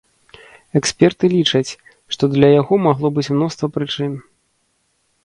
Эксперты лічаць, што для яго магло быць мноства прычын.